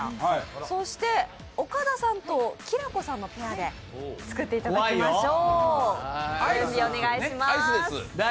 そして、岡田さんときらこさんのペアで作っていただきましょう。